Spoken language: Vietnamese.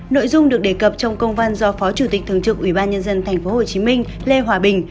nội dung được đề cập trong công văn do phó chủ tịch thường trực ubnd tp hcm lê hòa bình